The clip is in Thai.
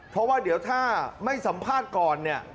เพราะว่าเดี๋ยวถ้าไม่สัมภาษณ์ก่อนเนี่ย